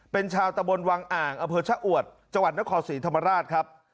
เป็นชาวตะบนวังอ่างอำเภอชะอวดจังหวัดนครศรีธรรมราชครับ